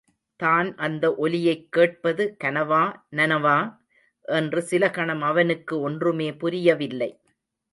தான் அந்த ஒலியைக் கேட்பது கனவா, நனவா? என்று சில கணம் அவனுக்கு ஒன்றுமே புரியவில்லை.